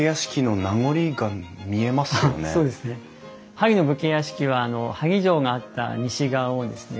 萩の武家屋敷は萩城があった西側をですね